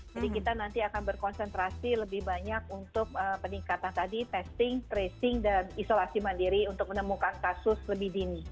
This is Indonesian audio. jadi kita nanti akan berkonsentrasi lebih banyak untuk peningkatan tadi testing tracing dan isolasi mandiri untuk menemukan kasus lebih dini